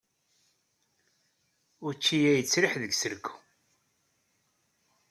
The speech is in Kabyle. Učči-ya yettriḥ deg-s rekku.